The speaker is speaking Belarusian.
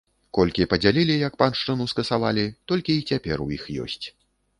Колькі падзялілі, як паншчыну скасавалі, толькі й цяпер у іх ёсць.